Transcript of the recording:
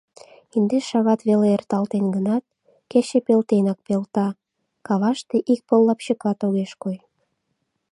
Индеш шагат веле эрталтен гынат, кече пелтенак пелта, каваште ик пыл лапчыкат огеш кой.